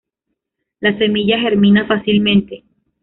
La semilla germina fácilmente.